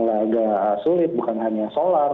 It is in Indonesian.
agak sulit bukan hanya solar